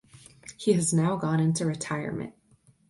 He has now gone into retirement.